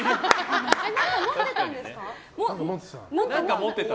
何か持ってたんですか？